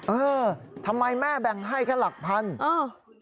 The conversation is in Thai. เออทำไมแม่แบ่งให้แค่หลักพันอ้าว